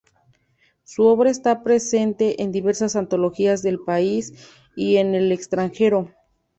Su obra está presente en diversas antologías del país y en el extranjero.